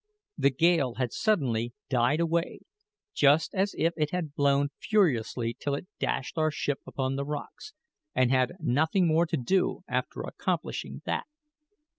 The gale had suddenly died away, just as if it had blown furiously till it dashed our ship upon the rocks, and had nothing more to do after accomplishing that.